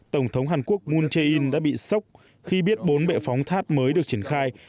tổng thống hàn quốc moon jae in đã bị sốc khi biết bốn bệ phóng tháp mới được triển khai